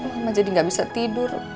mama jadi nggak bisa tidur